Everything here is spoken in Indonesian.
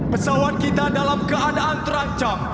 pesawat kita dalam keadaan terancam